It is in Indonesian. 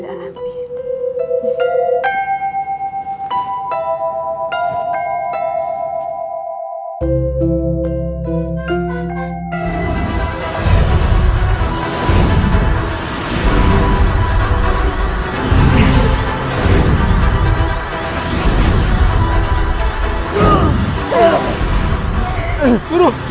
alhamdulillah ibu nda alamiah